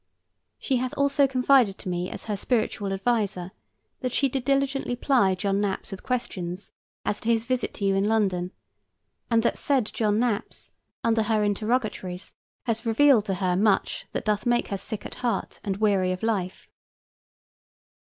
She hath also confided to me as her spiritual adviser that she did diligently ply John Naps with questions as to his visit to you in London, and that said John Naps, under her interrogatories, has revealed to her much that doth make her sick at heart and weary of life.